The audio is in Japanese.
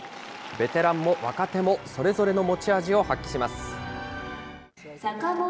ベテランも若手も、それぞれの持ち味を発揮します。